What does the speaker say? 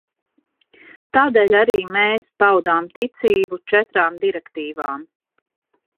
Tādēļ arī mēs paudām ticību četrām direktīvām.